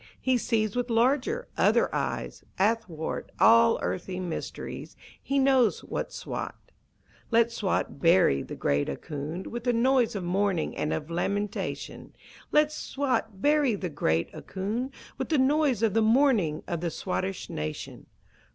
He sees with larger, other eyes, Athwart all earthly mysteries He knows what's Swat. Let Swat bury the great Ahkoond With a noise of mourning and of lamentation! Let Swat bury the great Ahkoond With the noise of the mourning of the Swattish nation!